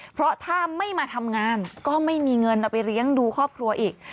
เพราะถ้าไม่มาทำงานก็ไม่มีเงินเอาไปเลี้ยงดูครอบครัวอีก